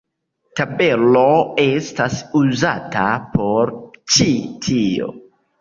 Tabelo estas uzata por ĉi tio.